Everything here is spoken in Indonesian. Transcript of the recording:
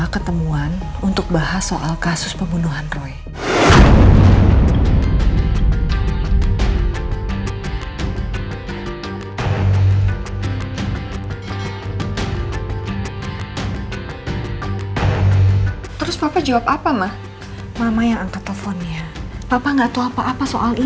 terima kasih karena sudah kembali